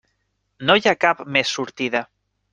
No hi ha cap més sortida.